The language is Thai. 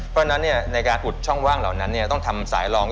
เพราะฉะนั้นในการอุดช่องว่างเหล่านั้นต้องทำสายรอง